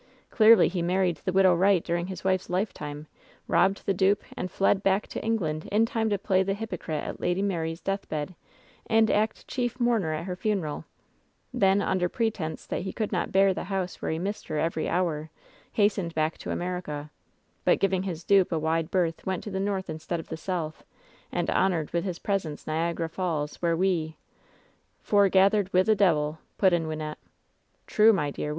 Clearly he married the Widow Wright during his wife's lifetime, robbed the dupe and fled back to England in time to play the hypocrite at Lady Mary's deathbed, and act chief mourner at her funeral; then, under pretense that he could not bear the house where he missed her every hour, hastened back to America, but, giving his dupe a wide berth, went to the North instead of the South, and honored with his presence Niagara Falls, where we ^^" Toregathered wi' the de'il,' " put in Wynnette. "True, my dear